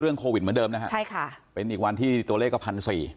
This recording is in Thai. เรื่องโควิดเหมือนเดิมนะครับเป็นอีกวันที่ตัวเลขก็พันสี่